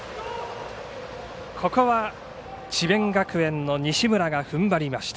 ここは智弁学園の西村がふんばりました。